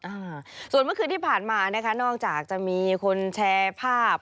อ่าส่วนเมื่อคืนที่ผ่านมานะคะนอกจากจะมีคนแชร์ภาพ